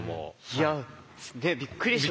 いやねっびっくりしました。